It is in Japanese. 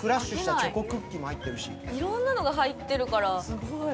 いろんなのが入ってるから。